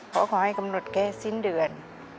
เขาขอให้กำหนดแค่สิ้นเดือน